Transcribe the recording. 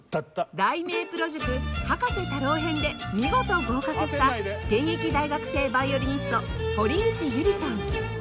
「題名プロ塾葉加瀬太郎編」で見事合格した現役大学生ヴァイオリニスト堀内優里さん